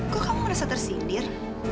kok kamu merasa tersindir